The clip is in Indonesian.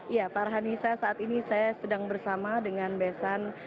ya farhanisa saat ini saya sedang bersama dengan besan